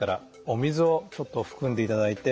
お水をちょっと含んでいただいて。